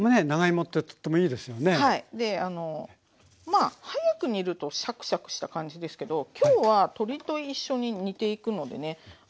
まあ早く煮るとシャクシャクした感じですけど今日は鶏と一緒に煮ていくのでね